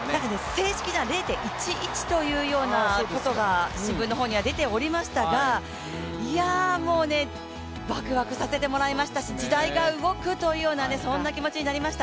正式には０．１１というようなことが新聞には出ておりましたがもうわくわくさせてもらいましたし時代が動くというような、そんな気持ちになりました。